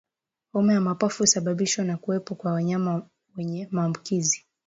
Homa ya mapafu husababishwa na kuwepo kwa wanyama wenye maambukizi